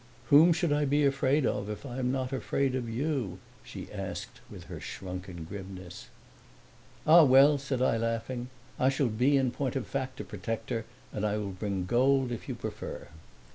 "Whom should I be afraid of if I am not afraid of you?" she asked with her shrunken grimness. "Ah well," said I, laughing, "I shall be in point of fact a protector and I will bring gold if you prefer."